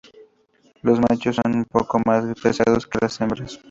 Los machos son un poco más pesados que las hembras.